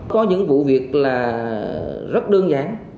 có những vụ việc là rất đơn giản